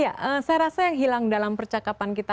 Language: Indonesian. ya saya rasa yang hilang dalam percakapan kita